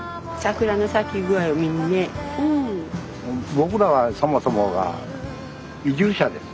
僕らはそもそもが移住者です。